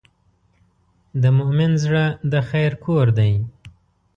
د مؤمن زړه د خیر کور دی.